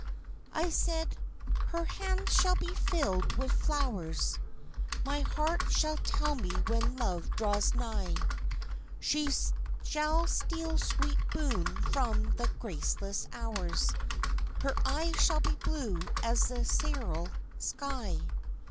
I said, "Her hands shall be filled with flowers, (My heart shall tell me when Love draws nigh!) She shall steal sweet boon from the graceless hours, Her eyes shall be blue as the cerule sky.